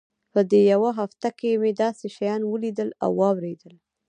په دې يوه هفته کښې مې داسې شيان وليدل او واورېدل.